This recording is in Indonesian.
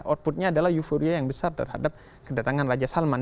outputnya adalah euforia yang besar terhadap kedatangan raja salman